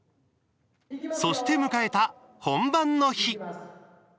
そして迎えた、本番の日。